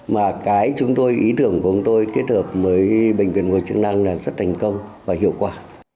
mà cái chúng tôi ý tưởng của chúng tôi kết hợp với bệnh viện phục hồi chức năng là rất thành công và hiệu quả